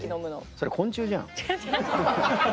それ昆虫じゃん。